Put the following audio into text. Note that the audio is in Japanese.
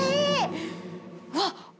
うわっ！